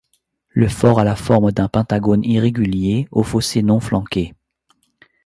Le fort a la forme d'un pentagone irrégulier aux fossés non flanqués.